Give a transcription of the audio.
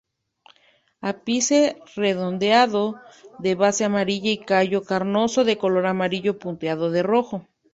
Ápice redondeado de base amarilla y callo carnoso de color amarillo punteado de rojo.